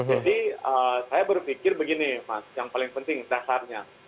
jadi saya berpikir begini mas yang paling penting dasarnya